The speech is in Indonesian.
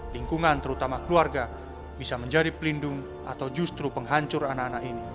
lingkungan terutama keluarga bisa menjadi pelindung atau justru penghancur anak anak ini